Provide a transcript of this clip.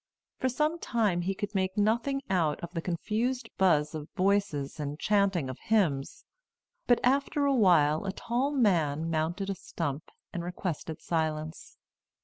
For some time he could make nothing out of the confused buzz of voices and chanting of hymns. But after a while a tall man mounted a stump and requested silence.